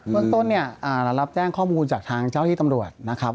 ต้นเนี่ยเรารับแจ้งข้อมูลจากทางเจ้าที่ตำรวจนะครับ